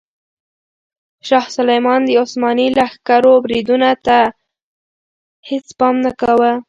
شاه سلیمان د عثماني لښکرو بریدونو ته هیڅ پام نه کاوه.